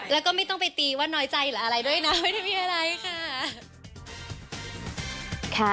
แล้วก็ไม่ต้องไปตีว่าน้อยใจหรืออะไรด้วยนะไม่ได้มีอะไรค่ะ